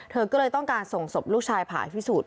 เธอก็เลยต้องการส่งศพลูกชายผ่าพิสูจน